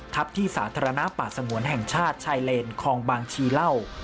ที่สาธารณะป่าสงวนแห่งชาติชายเลนคลองบางชีเหล้า